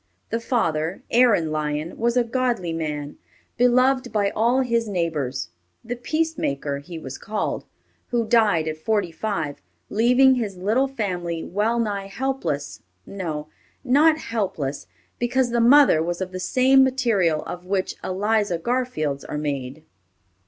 The father, Aaron Lyon, was a godly man, beloved by all his neighbors, "the peacemaker," he was called, who died at forty five, leaving his little family well nigh helpless no, not helpless, because the mother was of the same material of which Eliza Garfields are made.